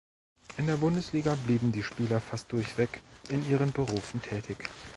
In der Bundesliga blieben die Spieler fast durchweg in ihren Berufen tätig.